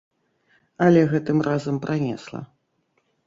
Але гэтым разам пранесла.